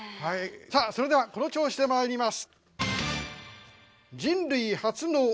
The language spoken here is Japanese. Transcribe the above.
それではこの調子でまいります。